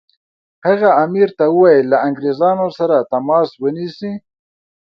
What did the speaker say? هغه امیر ته وویل له انګریزانو سره تماس ونیسي.